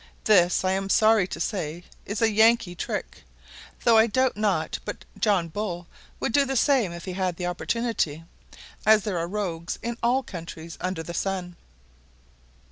This, I am sorry to say, is a Yankee trick; though I doubt not but John Bull would do the same if he had the opportunity, as there are rogues in all countries under the sun.